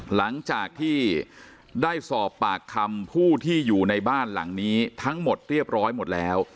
หลังจากที่ได้สอบปากคำผู้ที่อยู่ในบ้านหลังนี้ทั้งหมดเรียบร้อยหมดแล้ว